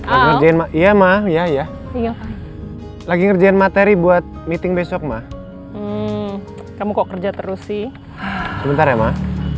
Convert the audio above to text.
al khalifah iya mah ya ya lagi ngerjain materi buat meeting besok mah kamu kok kerja terus sih